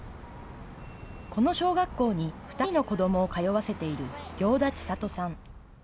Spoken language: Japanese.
この小学校に２人の子どもを通わせている行田千里さん。